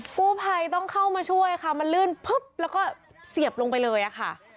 กู้ภัยต้องเข้ามาช่วยค่ะมันลื่นพึบแล้วก็เสียบลงไปเลยค่ะ